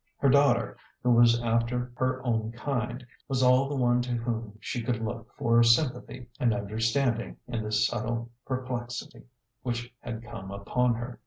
Her daughter, who was after her own kind, was all the one to whom she could look for sympathy and understanding in this subtle per plexity which had come upon her.